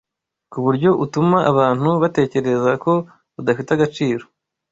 ku buryo utuma abantu batekereza ko udafite agaciro